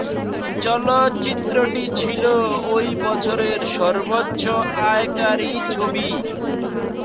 চলচ্চিত্রটি ছিল ওই বছরের সর্বোচ্চ আয়কারী ছবি।